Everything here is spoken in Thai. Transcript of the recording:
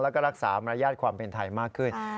แล้วก็รักษามารยาทความเป็นไทยมากขึ้น